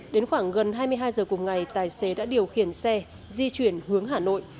đến khoảng gần hai mươi hai giờ cùng ngày tài xế đã điều khiển xe di chuyển hướng hà nội